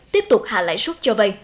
tiếp tục hạ lãi suất cho vây